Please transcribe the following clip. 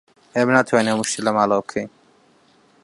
ئێمە ناتوانین هەموو شتێک لە ماڵەوە بکەین.